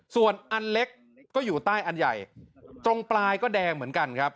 ส่วนอันเล็กก็อยู่ใต้อันใหญ่ตรงปลายก็แดงเหมือนกันครับ